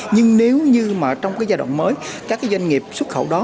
nhưng nếu như trong giai đoạn mới các doanh nghiệp xuất khẩu đó